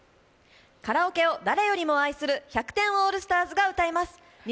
カラオケを誰よりも愛する、１００点オールスターズが歌います。